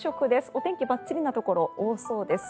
お天気ばっちりなところ多そうです。